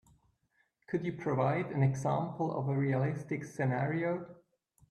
Could you provide an example of a realistic scenario?